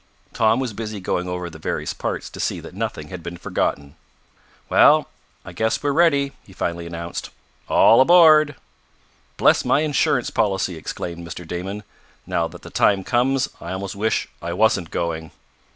Tom was busy going over the various parts to see that nothing had been forgotten. "Well, I guess we're ready," he finally announced. "All aboard!" "Bless my insurance policy!" exclaimed Mr. Damon. "Now that the time comes I almost wish I wasn't going."